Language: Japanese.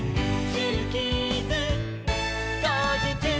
「ジューキーズこうじちゅう！」